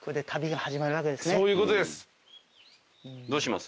そういうことです。